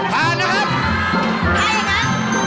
ใช่นะครับ